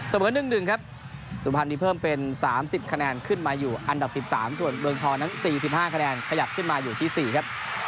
เสมอ๑๑ครับสุพรรณนี้เพิ่มเป็น๓๐คะแนนขึ้นมาอยู่อันดับ๑๓ส่วนเมืองทองนั้น๔๕คะแนนขยับขึ้นมาอยู่ที่๔ครับ